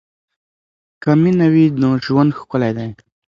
که مینه وي نو ژوند ښکلی وي.